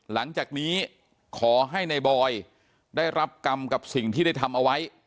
หลังจากนี้ขอให้ในบอยได้รับกรรมกับสิ่งที่ได้ทำเอาไว้